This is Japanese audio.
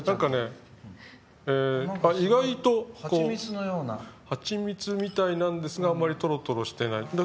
意外と蜂蜜みたいですがとろとろしていない。